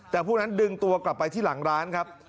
แต่พวกนั้นดึงตัวกลับไปที่หลังร้านครับ